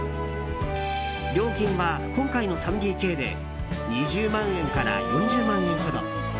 料金は今回の３ＤＫで２０万円から４０万円ほど。